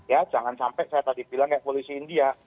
ya jangan sampai saya tadi bilang kayak polisi india